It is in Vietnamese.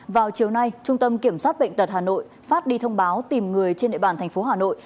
vào chiều nay trung tâm kiểm soát bệnh tật hà nội phát đi thông báo tìm người trên địa bàn thành phố hà nội